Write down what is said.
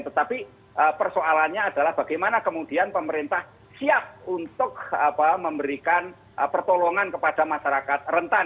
tetapi persoalannya adalah bagaimana kemudian pemerintah siap untuk memberikan pertolongan kepada masyarakat rentan